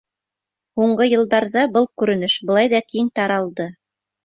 Һуңғы йылдарҙа был күренеш былай ҙа киң таралды.